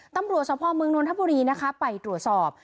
ตำรวจสภเมืองนนทบุรีนะคะไปตรวจสอบ